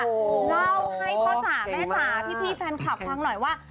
เล่าให้พ่อจ๋าแม่จ๋าพี่แฟนคลับฟังหน่อยว่า